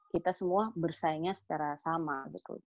kita semua bersaingnya secara sama gitu